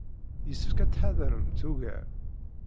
Yessefk ad tettḥadaremt ugar.